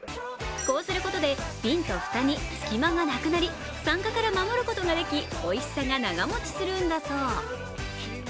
こうすることで瓶と蓋に隙間がなくなり、酸化から守ることができおいしさが長もちするんだそう。